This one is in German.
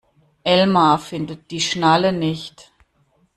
Elmar findet die Schnalle nicht.